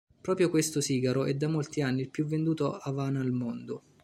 Proprio questo sigaro è da molti anni il più venduto avana al mondo.